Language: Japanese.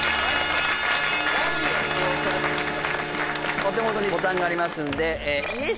お手元にボタンがありますんでイエス